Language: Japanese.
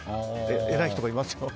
偉い人がいますよ。